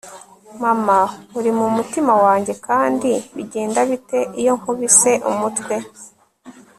mama, uri mumutima wanjye, kandi bigenda bite iyo nkubise umutwe